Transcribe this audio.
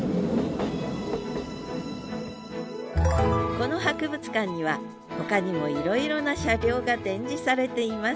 この博物館にはほかにもいろいろな車両が展示されています。